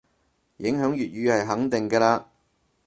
影響粵語係肯定嘅嘞